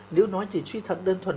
nếu nói chỉ suy thật đơn thuần